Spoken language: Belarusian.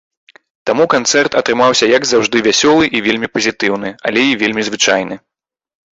Таму канцэрт атрымаўся як заўжды вясёлы і вельмі пазітыўны, але і вельмі звычайны.